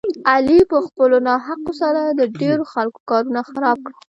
علي په خپلو ناحقو سره د ډېرو خلکو کارونه خراب کړل.